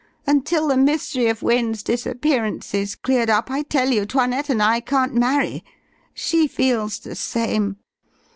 Until the mystery of Wynne's disappearance is cleared up, I tell you 'Toinette and I can't marry. She feels the same.